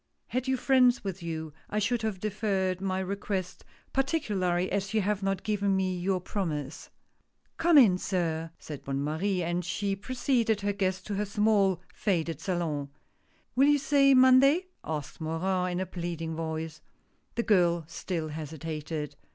Had you friends with you, I should have deferred my request, partic ularly as you have not given me your promise." " Come in sir," said Bonne Marie, and she preceded her guest to her small, faded salon. " Will you say Monday ?" asked Morin, in a pleading voice. The girl still hesitated.